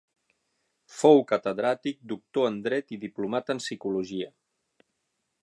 Fou catedràtic, doctor en Dret i diplomat en Psicologia.